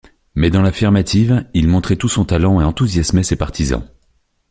Mais dans l’affirmative, il montrait tout son talent et enthousiasmait ses partisans.